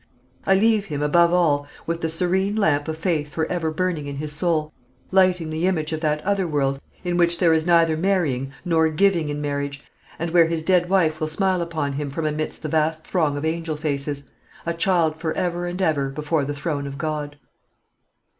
I leave him, above all, with the serene lamp of faith for ever burning in his soul, lighting the image of that other world in which there is neither marrying nor giving in marriage, and where his dead wife will smile upon him from amidst the vast throng of angel faces a child for ever and ever before the throne of God! THE END.